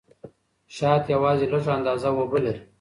شات یوازې لږه اندازه اوبه لري.